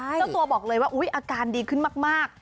เจ้าตัวบอกเลยว่าอาการดีขึ้นมาก